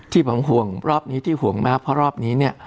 หวังห่วงรอบนี้ที่ห่วงมากเพราะรอบนี้เนี่ย